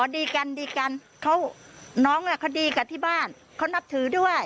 ดีกันดีกันเขาน้องเขาดีกับที่บ้านเขานับถือด้วย